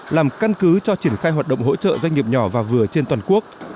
làm căn cứ cho triển khai hoạt động hỗ trợ doanh nghiệp nhỏ và vừa trên toàn quốc